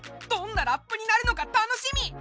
どんなラップになるのか楽しみ！